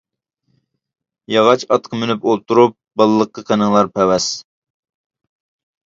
ياغاچ ئاتقا مىنىپ ئولتۇرۇپ، بالىلىققا قېنىڭلار پەۋەس.